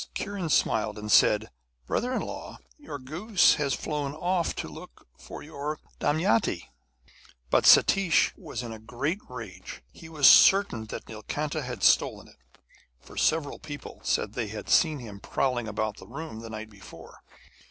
Kiran smiled, and said: 'Brother in law, your goose has flown off to look for your Damaynti.' To find Satish a wife. But Satish was in a great rage. He was certain that Nilkanta had stolen it for several people said they had seen him prowling about the room the night before.